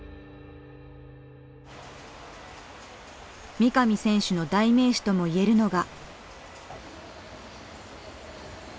三上選手の代名詞とも言えるのが。